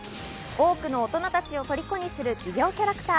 多くの大人たちを虜にする企業キャラクター。